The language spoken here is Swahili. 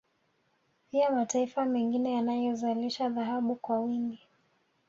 Pia mataifa mengine yanayozalisha dhahabu kwa wingi